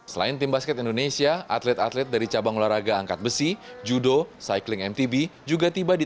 selain tim basket indonesia atlet atlet dari cabang olahraga angkat besi judo cycling mtb juga tiba di